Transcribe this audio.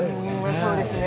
そうですね